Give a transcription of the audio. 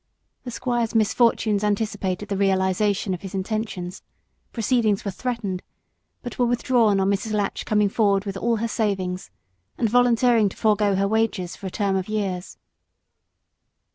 The squire's misfortunes anticipated the realization of his intentions; proceedings were threatened, but were withdrawn when Mrs. Latch came forward with all her savings and volunteered to forego her wages for a term of years.